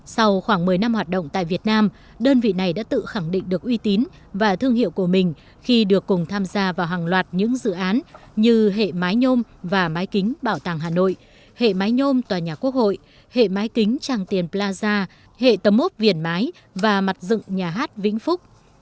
sau khoảng một mươi năm hoạt động tại việt nam đơn vị này đã tự khẳng định được uy tín và thương hiệu của mình khi được cùng tham gia vào hàng loạt những dự án như hệ mái nhôm và máy kính bảo tàng hà nội hệ máy nhôm tòa nhà quốc hội hệ máy kính trang tiền plaza hệ tấm ốp việt mái và mặt dựng nhà hát vĩnh phúc